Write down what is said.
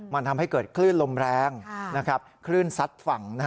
มันทำให้เกิดคลื่นลมแรงคลื่นซัดฝั่ง